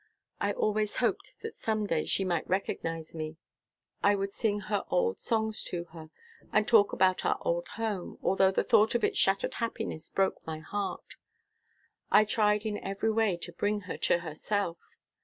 I always hoped that some day she might recognize me. I would sing her old songs to her, and talk about our old home, although the thought of its shattered happiness broke my heart. I tried in every way to bring her to herself.